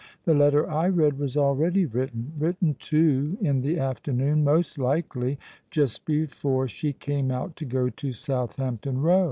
The letter I read was already written—written too in the afternoon, most likely just before she came out to go to Southampton Row.